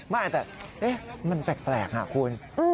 ไม่แต่มันแปลกคุณ